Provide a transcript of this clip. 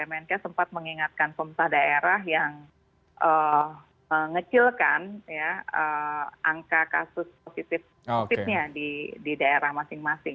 mnk sempat mengingatkan pemerintah daerah yang mengecilkan angka kasus positifnya di daerah masing masing